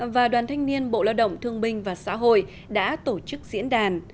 và đoàn thanh niên bộ lao động thương binh và xã hội đã tổ chức diễn đàn